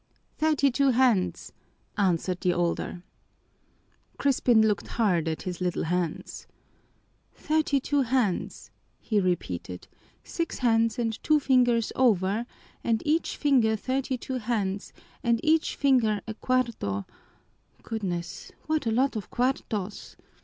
"Thirty two hands," answered the older. Crispin looked hard at his little hands. "Thirty two hands," he repeated, "six hands and two fingers over and each finger thirty two hands and each finger a cuarto goodness, what a lot of cuartos!